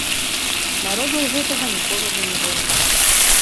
Народу ад гэтага ні холадна, ні горача.